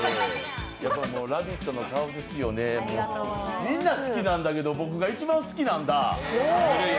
「ラヴィット！」の顔ですよね、みんな好きなんだけど僕が一番好きなんだ。